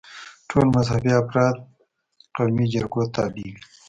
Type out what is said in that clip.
ټول مذهبي افراد قومي جرګو تابع وي.